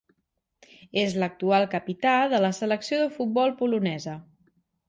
És l'actual capità de la selecció de futbol polonesa.